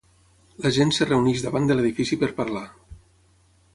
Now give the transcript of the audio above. La gent es reuneix davant de l'edifici per parlar